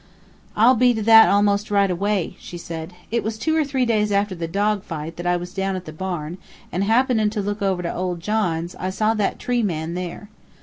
"I'll be to that almost right away," she said. "It was two or three days after the dog fight that I was down at the barn, and happenin' to look over to Old John's, I saw that tree man there.